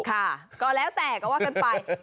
ก็แล้วแต่ก็ว่ากันไป